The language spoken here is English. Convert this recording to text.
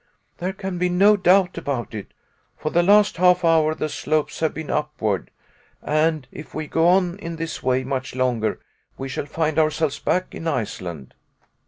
"There can be no doubt about it. For the last half hour the slopes have been upward and if we go on in this way much longer we shall find ourselves back in Iceland."